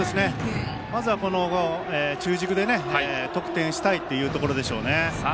まずは、この中軸で得点したいというところでしょう。